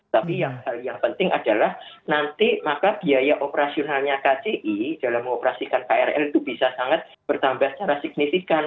tapi hal yang penting adalah nanti maka biaya operasionalnya kci dalam mengoperasikan krl itu bisa sangat bertambah secara signifikan